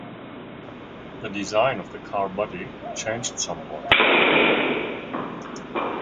The design of the carbody changed somewhat.